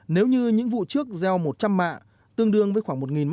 nếu như những vụ trước gieo một trăm linh mạ tương đương với khoảng một m hai